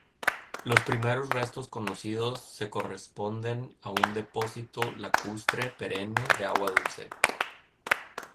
Los primeros restos conocidos se corresponden a un depósito lacustre perenne de agua dulce.